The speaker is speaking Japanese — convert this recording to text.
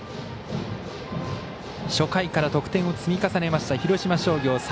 初回から得点を積み重ねました広島商業。